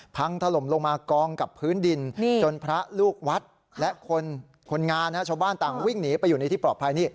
พังถล่มลงมากองกับพื้นดินจนพระลูกวัดและคนงานชาวบ้านต่างวิ่งหนีไปอยู่ในที่ปลอดภัยนี่